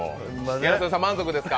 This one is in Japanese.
ギャル曽根さん満足ですか？